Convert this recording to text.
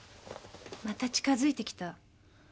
また近づいてきた。